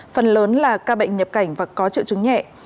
phần lớn là ca bệnh nhập cảnh và có triệu chứng nhẹ